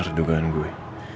ini bener dugaan gue